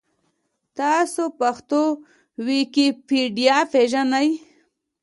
تاسو پښتو ویکیپېډیا پېژنۍ؟